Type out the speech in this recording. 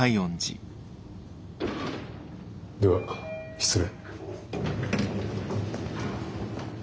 では失礼。